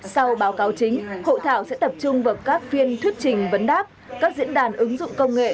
sau báo cáo chính hội thảo sẽ tập trung vào các phiên thuyết trình vấn đáp các diễn đàn ứng dụng công nghệ